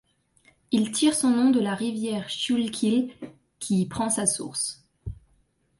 Il tire son nom de la rivière Schuylkill, qui y prend sa source.